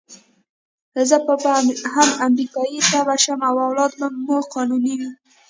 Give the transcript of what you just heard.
زه به هم امریکایي تبعه شم او اولاد به مو قانوني وي.